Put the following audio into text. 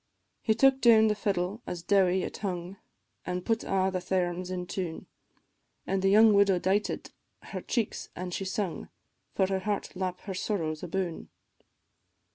He took down the fiddle as dowie it hung, An' put a' the thairms in tune, The young widow dighted her cheeks an' she sung, For her heart lap her sorrows aboon.